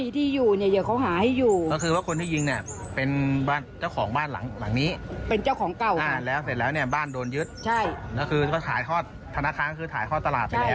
ธนาคารคือถ่ายข้อตลาดไปแล้ว